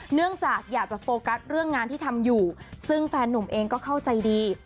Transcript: เนื่องจากอยากจะโฟกัสเรื่องงานที่ทำอยู่ซึ่งแฟนนุ่มเองก็เข้าใจดี